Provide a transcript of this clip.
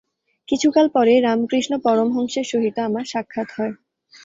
কিছুকাল পরেই রামকৃষ্ণ পরমহংসের সহিত আমার সাক্ষাৎ হয়।